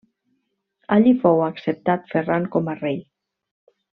Allí fou acceptat Ferran com a rei.